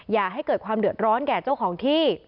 อย่าให้เกิดความเดือดร้อนแก่เจ้าของที่